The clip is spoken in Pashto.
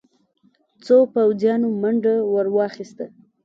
څو پوځيانو منډه ور واخيسته.